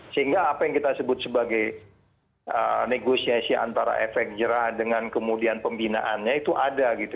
sehingga apa yang kita sebut sebagai negosiasi antara efek jerah dengan kemudian pembinaannya itu ada gitu